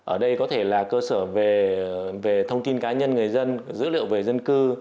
ở đây có thể là cơ sở về thông tin cá nhân người dân dữ liệu về dân cư